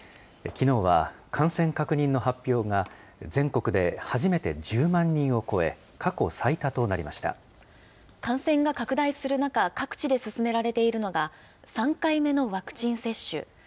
きのうは感染確認の発表が全国で初めて１０万人を超え、感染が拡大する中、各地で進められているのが、３回目のワクチン接種。